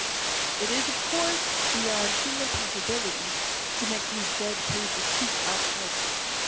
It is, of course, beyond human possibility to make these dead pages speak outright.